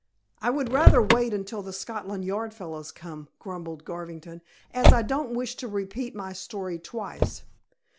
"I would rather wait until the Scotland Yard fellows come," grumbled Garvington, "as I don't wish to repeat my story twice.